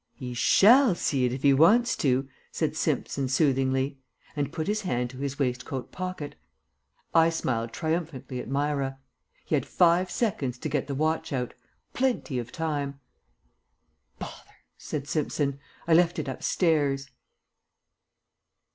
"He shall see it if he wants to," said Simpson soothingly, and put his hand to his waistcoat pocket. I smiled triumphantly at Myra. He had five seconds to get the watch out plenty of time. "Bother!" said Simpson. "I left it upstairs."